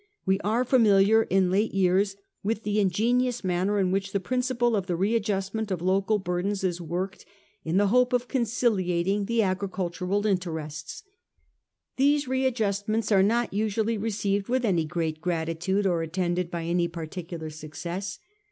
We are familiar in late years with the ingenious manner in which the principle of the readjustment of local burdens is worked in the hope 406 A HISTORY OF OUR OWN TIMES. CH. XYI, of conciliating the agricultural interests. These re adjustments are not usually received with any great gratitude or attended by any particular success.